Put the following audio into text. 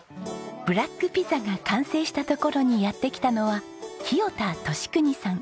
ブラックピザが完成したところにやって来たのは清田壽邦さん。